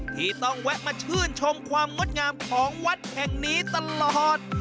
ที่ต้องแวะมาชื่นชมความงดงามของวัดแห่งนี้ตลอด